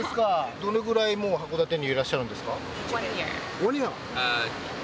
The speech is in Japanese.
どのくらいもう函館にいらっしゃるんですか？